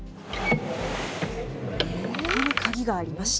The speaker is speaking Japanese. ここに鍵がありまして。